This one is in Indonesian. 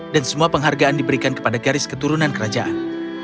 dan semua penghargaan diberikan kepada garis keturunan kerajaan